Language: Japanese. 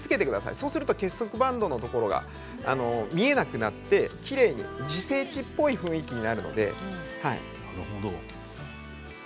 そうすると結束バンドが見えなくなって、きれいに自生地っぽい雰囲気になります。